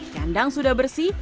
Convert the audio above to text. kandang sudah bersih